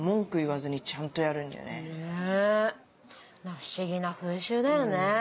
不思議な風習だよね。